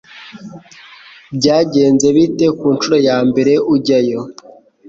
Byagenze bite ku nshuro ya mbere ujyayo